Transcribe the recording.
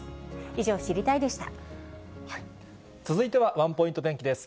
以上、続いてはワンポイント天気です。